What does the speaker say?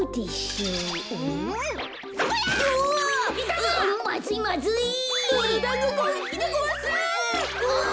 うわ！